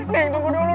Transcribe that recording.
neng tunggu dulu